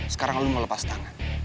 sekarang lo mau lepas tangan